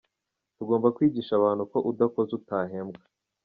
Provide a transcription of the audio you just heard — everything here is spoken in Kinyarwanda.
Tugomba kwigisha abantu ko udakoze utahembwa.